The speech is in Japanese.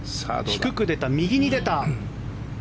低く出た、右に出た。